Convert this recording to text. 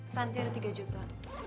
santir tiga juta